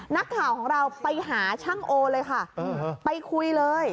นักข่าวของเราไปหาช่างโอเลยค่ะไปคุยเลย